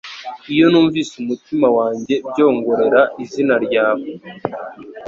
Iyo numvise umutima wanjye byongorera izina ryawe